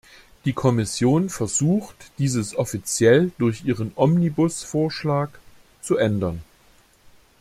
Die Kommission versucht diese offiziell durch ihren "Omnibus"Vorschlag zu ändern.